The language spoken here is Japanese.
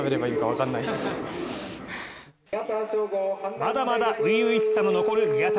まだまだ初々しさの残る宮田。